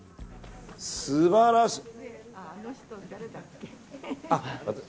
素晴らしい！